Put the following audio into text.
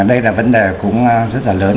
đây là vấn đề cũng rất là lớn